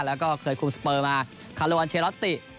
และเคยคุมสเปอร์มาคาโลวันเชเลอตติ